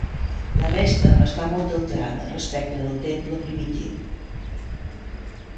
La resta està molt alterada respecte del temple primitiu.